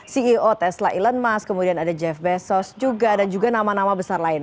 ceo tesla elon musk kemudian ada jeff bezos juga dan juga nama nama besar lain